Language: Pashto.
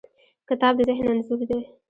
کتاب د ذهن انځور دی.